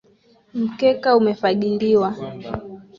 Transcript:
Mkeka umefagiliwa